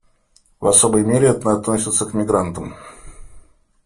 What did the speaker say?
В особой мере это относится к мигрантам.